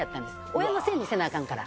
親のせいにせなアカンから。